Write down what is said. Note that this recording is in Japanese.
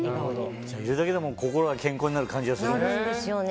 いるだけでも心が健康になる感じがするね。